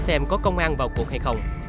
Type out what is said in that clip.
xem có công an vào cuộc hay không